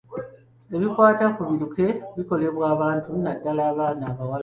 Ebikwata ku biruke ebikolebwa abantu naddala abaana abawala.